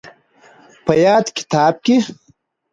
په ياد کتاب کې